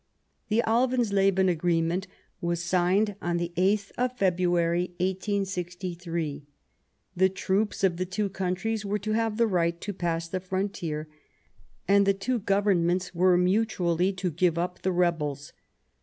The Alvensleben agreement was signed on the 8th of February, 1863 ; the troops of the two countries were to have the right to pass the frontier, and the two Governments were mutually to give up the rebels.